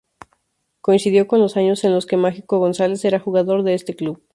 Coincidió con los años en los que Mágico González era jugador de este club.